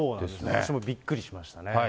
私もびっくりしましたね。